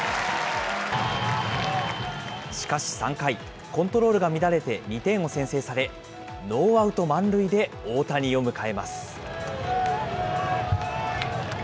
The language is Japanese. しかし３回、コントロールが乱れて、２点を先制され、ノーアウト満塁で大谷を迎えます。